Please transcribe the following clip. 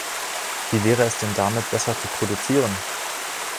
Wie wäre es denn damit, besser zu produzieren?